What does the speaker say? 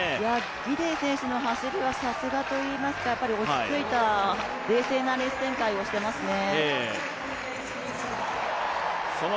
ギデイ選手の走りはさすがといいますか、落ち着いた冷静なレース展開をしていますね。